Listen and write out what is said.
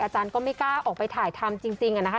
อาจารย์ก็ไม่กล้าออกไปถ่ายทำจริงนะคะ